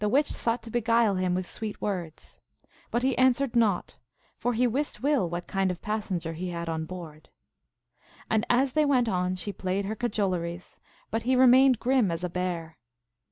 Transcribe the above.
93 sought to beguile him with sweet words ; but he an swered naught, for he wist well what kind of passenger he had on board. And as they went on she played her cajoleries, but he remained grim as a bear.